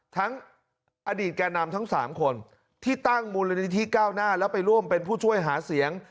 ทั้งอดีตแก่นำทั้ง๓คนที่ตั้งมูลนิธิก้าวหน้าแล้วไปร่วมเป็นผู้ช่วยหาเสียง